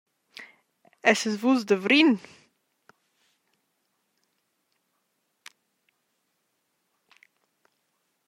Essas vus da Vrin?